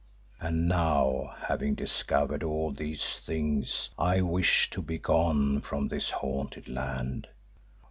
And now having discovered all these things I wish to be gone from this haunted land.